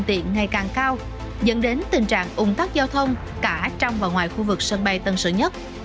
giải pháp nào để giải tỏa ách tắc giao thông trong khu vực sân bay tân sơn nhất là câu hỏi không mới